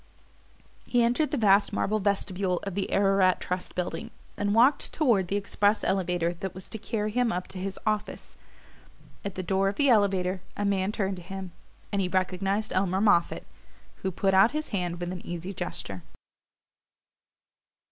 He entered the vast marble vestibule of the Ararat Trust Building and walked toward the express elevator that was to carry him up to his office. At the door of the elevator a man turned to him, and he recognized Elmer Moffatt, who put out his hand with an easy gesture.